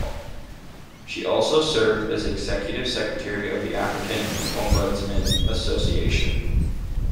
She also served as Executive Secretary of the African Ombudsman Association.